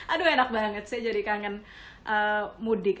aduh enak banget saya jadi kangen mudik